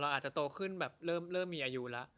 อาจจะโตขึ้นแบบเริ่มมีอายุแล้ว